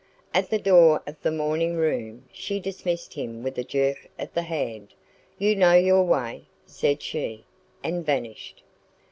At the door of the morning room she dismissed him with a jerk of the hand. "You know your way," said she, and vanished.